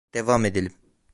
Devam edelim.